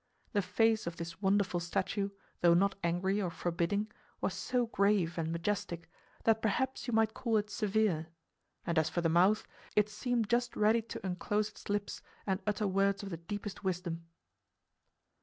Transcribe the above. The face of this wonderful statue, though not angry or forbidding, was so grave and majestic that perhaps you might call it severe; and as for the mouth, it seemed just ready to unclose its lips and utter words of the deepest wisdom.